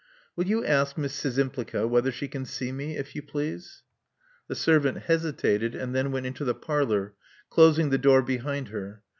Will you ask Miss Szcz)mipli9a whether she can see me, if you please." The servant hesitated, and then went into the parlor, closing the door behind her.